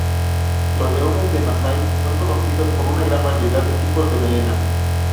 Los leones de Masai son conocidos por una gran variedad de tipos de melena.